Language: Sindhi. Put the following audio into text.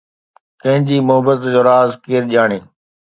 ڪنهن جي محبت جو راز ڪير ڄاڻي